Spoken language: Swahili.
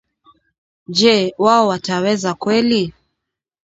je wao wataweza kweli?